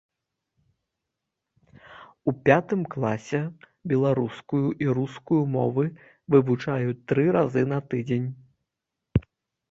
У пятым класе беларускую і рускую мовы вывучаюць тры разы на тыдзень.